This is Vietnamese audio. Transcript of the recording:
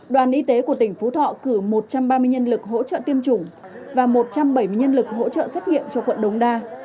đoàn y tế của tỉnh phú thọ cử một trăm ba mươi nhân lực hỗ trợ tiêm chủng và một trăm bảy mươi nhân lực hỗ trợ xét nghiệm cho quận đống đa